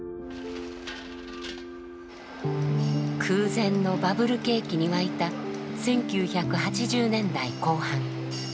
空前のバブル景気に沸いた１９８０年代後半。